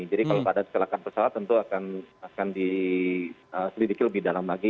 kalau ada kecelakaan pesawat tentu akan diselidiki lebih dalam lagi